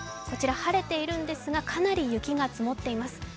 こちら、晴れているんですがかなり雪が積もっています。